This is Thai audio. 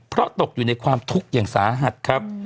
เพราะตกอยู่ในความทุกข์อย่างสาหัสครับ